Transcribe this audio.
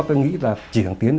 tôi nghĩ là chỉ thằng tiến